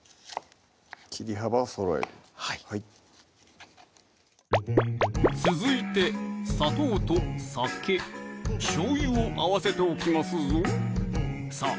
切り幅をそろえるはい続いて砂糖と酒・しょうゆを合わせておきますぞさぁ